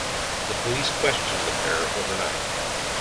The police questioned the pair overnight